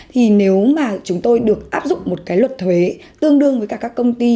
thì nếu mà chúng tôi được áp dụng một luật thuế tương đương với các công ty